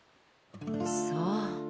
そう。